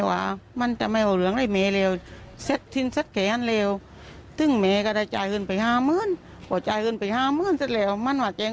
ก็วันนั้นเลยค่ะแม่แกมาวานให้หนูช่วยโอนเงินให้เฉย